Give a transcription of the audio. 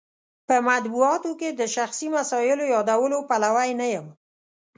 په مطبوعاتو کې د شخصي مسایلو یادولو پلوی نه یم.